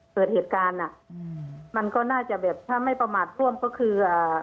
เกิดเหตุการณ์อ่ะอืมมันก็น่าจะแบบถ้าไม่ประมาทร่วมก็คืออ่า